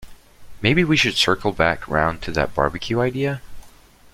Maybe we should circle back round to that barbecue idea?